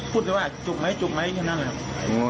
พูดเลยว่าจุบไหมจุบไหมให้เขานั่งนะครับ